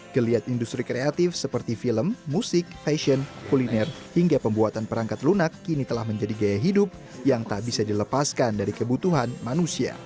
geliat industri kreatif seperti film musik fashion kuliner hingga pembuatan perangkat lunak kini telah menjadi gaya hidup yang tak bisa dilepaskan dari kebutuhan manusia